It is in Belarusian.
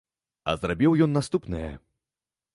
А зрабіў ён наступнае.